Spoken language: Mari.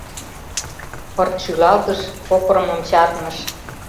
Пырт шӱлалтыш, кокырымым чарныш.